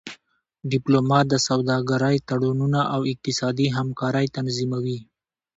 ډيپلومات د سوداګری تړونونه او اقتصادي همکاری تنظیموي.